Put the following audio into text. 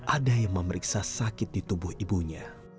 ada yang memeriksa sakit di tubuh ibunya